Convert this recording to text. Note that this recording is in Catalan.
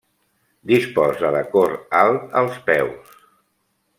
Disposa de cor alt als peus.